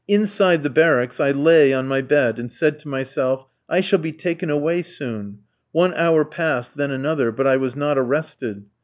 "Inside the barracks I laid on my bed, and said to myself, 'I shall be taken away soon.' One hour passed, then another, but I was not arrested.